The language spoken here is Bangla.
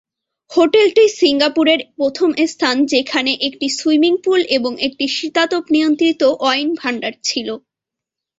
হোটেলটি সিঙ্গাপুরের প্রথম স্থান যেখানে একটি সুইমিং পুল এবং একটি শীতাতপ নিয়ন্ত্রিত ওয়াইন ভান্ডার ছিল।